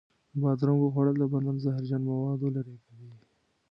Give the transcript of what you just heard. د بادرنګو خوړل د بدن زهرجن موادو لرې کوي.